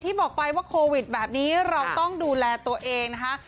บอกไปว่าโควิดแบบนี้เราต้องดูแลตัวเองนะคะ